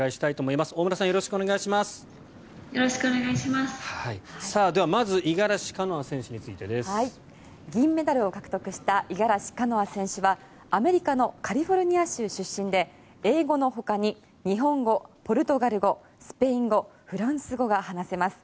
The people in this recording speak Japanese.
では、まず五十嵐カノア選手についてです。銀メダルを獲得した五十嵐カノア選手はアメリカのカリフォルニア州出身で英語のほかに日本語、ポルトガル語スペイン語、フランス語が話せます。